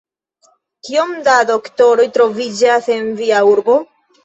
Kiom da doktoroj troviĝas en via urbo?